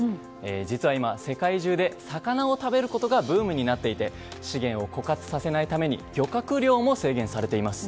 実は今、世界中で魚を食べることがブームになっていて資源を枯渇させないために漁獲量も制限されています。